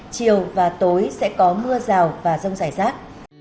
chiều và tối sẽ có mưa rào và rông rải rác